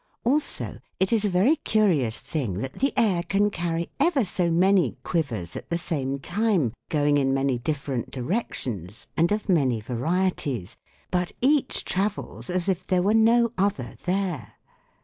Also it is a very curious thing that the air can carry ever so many quivers at the same time, going in many different directions, and of many varieties. But each travels as if there were no other there.